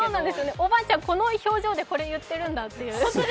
おばあちゃん、この表情でこれ言ってるんだっていう。